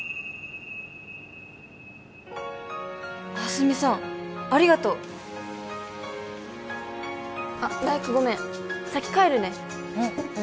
蓮見さんありがとうあっ来玖ごめん先帰るねえっ泉